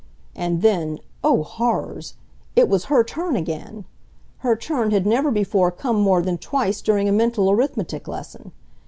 And then, oh horrors! It was her turn again! Her turn had never before come more than twice during a mental arithmetic lesson.